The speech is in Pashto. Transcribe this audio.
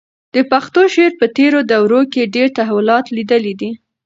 د پښتو شعر په تېرو دورو کې ډېر تحولات لیدلي دي.